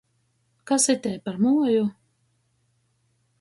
Kas itei par muoju?